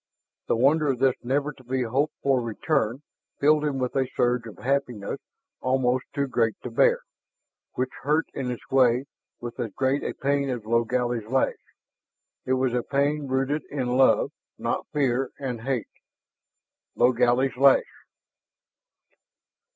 The wonder of this never to be hoped for return filled him with a surge of happiness almost too great to bear, which hurt in its way with as great a pain as Logally's lash; it was a pain rooted in love, not fear and hate. Logally's lash....